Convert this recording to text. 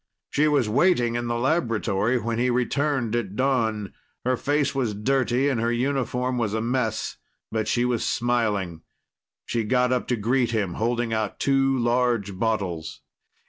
She was waiting in the laboratory when he returned at dawn. Her face was dirty and her uniform was a mess. But she was smiling. She got up to greet him, holding out two large bottles.